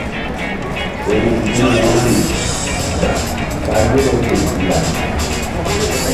Riŋ gun wo̧rori ba ɓa yoro ke dilla.